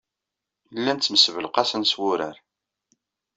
Llan ttmesbelqasen s wurar.